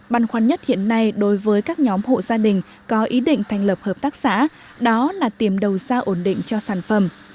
băn khoăn nhất hiện nay đối với các nhóm hộ gia đình có ý định thành lập hợp tác xã đó là tìm đầu ra ổn định cho sản phẩm